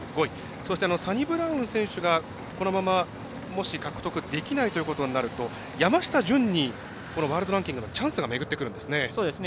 そして、サニブラウン選手がこのまま獲得できないとなると山下潤にワールドランキングのチャンスが巡ってくるんですね。